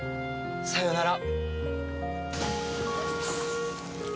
さようなら。